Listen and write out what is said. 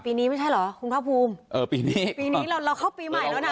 ปีนี้ไม่ใช่เหรอคุณภาคภูมิเออปีนี้ปีนี้เราเราเข้าปีใหม่แล้วนะ